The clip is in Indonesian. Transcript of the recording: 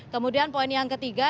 kemudian poin yang ketiga